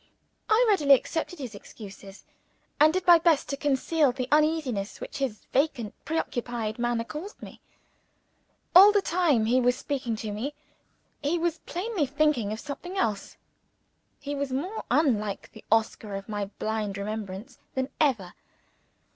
I readily accepted his excuses and did my best to conceal the uneasiness which his vacant, pre occupied manner caused me. All the time he was speaking to me, he was plainly thinking of something else he was more unlike the Oscar of my blind remembrances than ever.